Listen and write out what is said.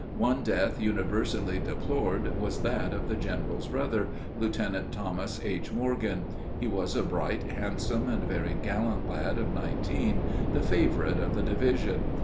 One death universally deplored was that of the General's brother, Lieutenant Thomas H. Morgan. He was a bright, handsome, and very gallant lad of nineteen, the favorite of the division.